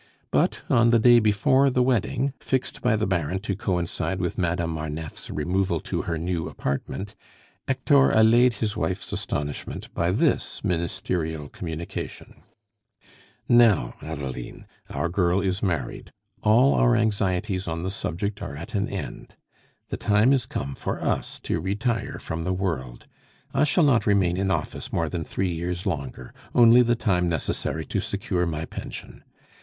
But, on the day before the wedding, fixed by the Baron to coincide with Madame Marneffe's removal to her new apartment, Hector allayed his wife's astonishment by this ministerial communication: "Now, Adeline, our girl is married; all our anxieties on the subject are at an end. The time is come for us to retire from the world: I shall not remain in office more than three years longer only the time necessary to secure my pension.